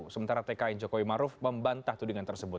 sementara tkn jokowi maruf membantah tudingan tersebut